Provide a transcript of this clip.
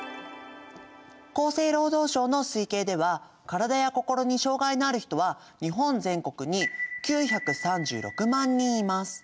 厚生労働省の推計では体や心に障がいのある人は日本全国に９３６万人います。